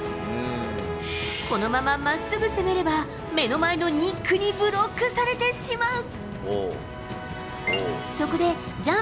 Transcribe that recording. このまままっすぐ攻めれば、目の前のニックにブロックされてしまう。